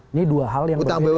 ini dua hal yang berbeda